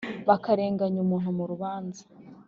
bakarenganya umuntu mu rubanza,